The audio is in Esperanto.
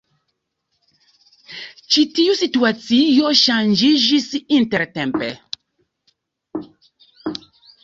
Ĉi tiu situacio ŝanĝiĝis intertempe.